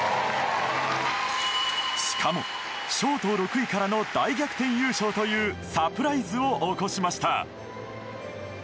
しかも、ショート６位からの大逆転優勝というサプライズを起こしました。